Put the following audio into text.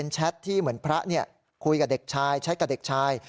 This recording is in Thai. แชทที่เหมือนพระคุยกับเด็กชายแชทกับเด็กชาย